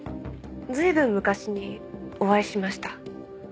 随分昔にお会いしました。